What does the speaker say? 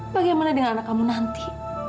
bagaimana dengan anak kamu nanti